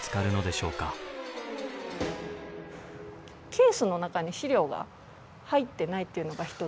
ケースの中に資料が入ってないっていうのが一つ。